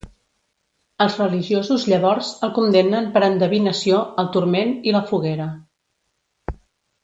Els religiosos llavors el condemnen per endevinació al turment i la foguera.